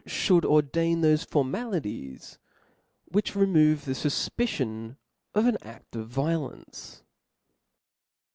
i6, fliould ordain thofe formalities, which remove the fufpicion of an aft of violence.